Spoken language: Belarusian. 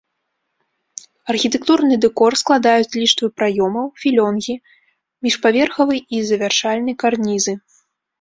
Архітэктурны дэкор складаюць ліштвы праёмаў, філёнгі, міжпаверхавы і завяршальны карнізы.